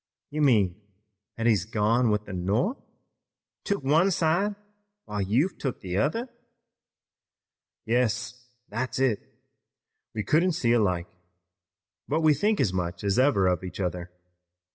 "You mean that he's gone with the North, took one side while you've took the other?" "Yes, that's it. We couldn't see alike, but we think as much as ever of each other.